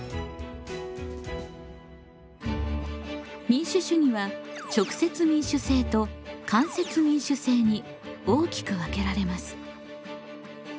民主主義は直接民主制と間接民主制に大きく分けられます。